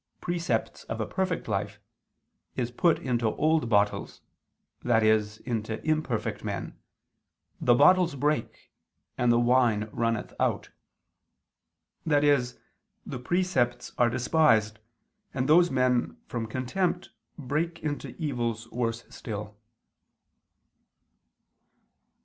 precepts of a perfect life, "is put into old bottles," i.e. into imperfect men, "the bottles break, and the wine runneth out," i.e. the precepts are despised, and those men, from contempt, break into evils worse still.